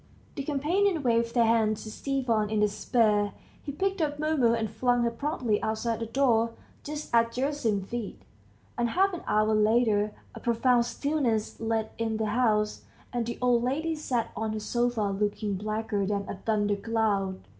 The companions waved their hands to Stepan in despair. He picked up Mumu, and flung her promptly outside the door, just at Gerasim's feet, and half an hour later a profound stillness led in the house, and the old lady sat on her sofa looking blacker than a thundercloud.